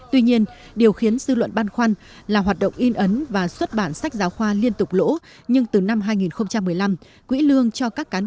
tuy nhiên điều khiến dư luận ban khoăn là hoạt động in ấn và xuất bản sách giáo khoa liên tục lỗ nhưng từ năm hai nghìn một mươi năm